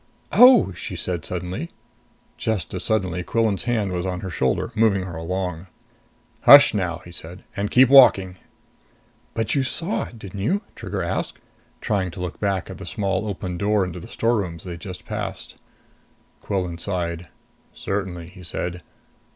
"Oh!" she said suddenly. Just as suddenly, Quillan's hand was on her shoulder, moving her along. "Hush now," he said. "And keep walking." "But you saw it, didn't you?" Trigger asked, trying to look back to the small open door into the storerooms they'd just passed. Quillan sighed. "Certainly," he said.